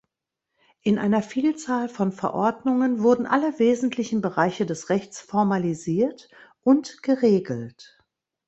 In einer Vielzahl von Verordnungen wurden alle wesentlichen Bereiche des Rechts formalisiert und geregelt.